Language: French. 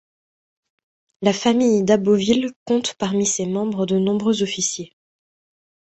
La famille d'Aboville compte parmi ses membres de nombreux officiers.